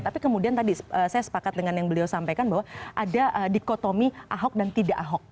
tapi kemudian tadi saya sepakat dengan yang beliau sampaikan bahwa ada dikotomi ahok dan tidak ahok